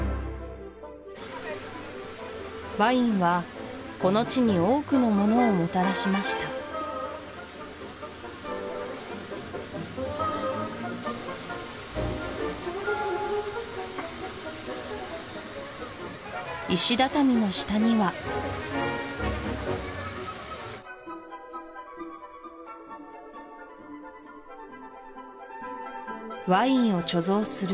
ワインはこの地に多くのものをもたらしました石畳の下にはワインを貯蔵する